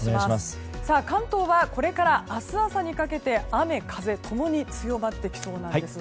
関東はこれから明日朝にかけて、雨風共に強まってきそうなんです。